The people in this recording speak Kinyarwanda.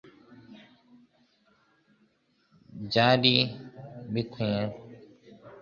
Byari bikwinye ko Kristo avuga amagambo asobanutse kandi yumvikana.